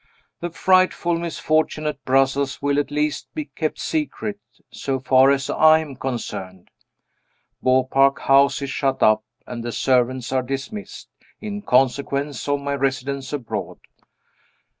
The frightful misfortune at Brussels will at least be kept secret, so far as I am concerned. Beaupark House is shut up, and the servants are dismissed, "in consequence of my residence abroad."